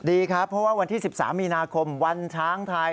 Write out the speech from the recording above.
ดีครับเพราะว่าวันที่๑๓มีนาคมวันช้างไทย